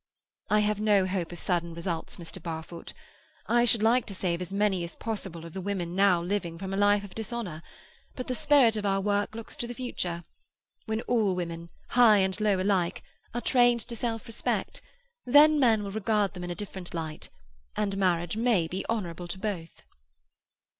"I have no hope of sudden results, Mr. Barfoot. I should like to save as many as possible of the women now living from a life of dishonour; but the spirit of our work looks to the future. When all women, high and low alike, are trained to self respect, then men will regard them in a different light, and marriage may be honourable to both."